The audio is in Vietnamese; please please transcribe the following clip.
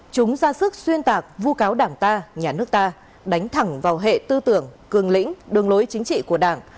chúng ra sức xuyên tạc vu cáo đảng ta nhà nước ta đánh thẳng vào hệ tư tưởng cường lĩnh đường lối chính trị của đảng